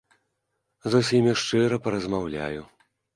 З усімі шчыра паразмаўляю.